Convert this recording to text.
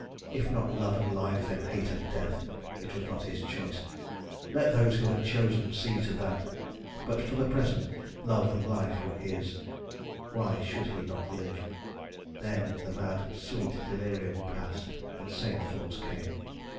If not love and life, then hate and death it was not his choice. Let those who had chosen see to that; but for the present love and life were his, why should he not live? Then the mad, sweet delirium passed, and saner thoughts came.